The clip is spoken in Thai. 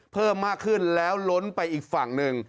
เพิ่มมากขึ้นแล้วล้นไปอีกฝั่งหนึ่ง